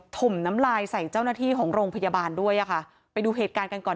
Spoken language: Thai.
มน้ำลายใส่เจ้าหน้าที่ของโรงพยาบาลด้วยอ่ะค่ะไปดูเหตุการณ์กันก่อน